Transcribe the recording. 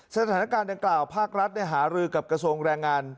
สถานการณ์ดังกล่าวภาครัฐหารือกับกระทรวงแรงงาน